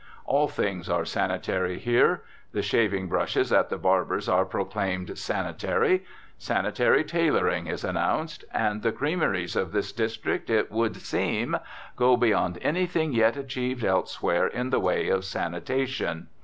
All things are sanitary here; the shaving brushes at the barber's are proclaimed sanitary; "sanitary tailoring" is announced; and the creameries of this district, it would seem, go beyond anything yet achieved elsewhere in the way of sanitation.